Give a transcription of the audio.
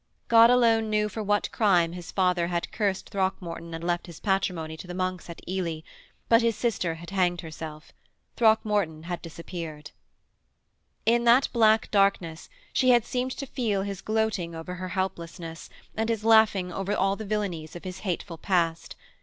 God alone knew for what crime his father had cursed Throckmorton and left his patrimony to the monks at Ely but his sister had hanged herself. Throckmorton had disappeared. In that black darkness she had seemed to feel his gloating over her helplessness, and his laughing over all the villainies of his hateful past.